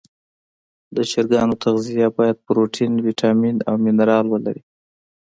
د چرګانو تغذیه باید پروټین، ویټامین او منرال ولري.